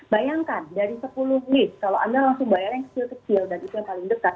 bayangkan dari sepuluh list kalau anda langsung bayar yang kecil kecil dan itu yang paling dekat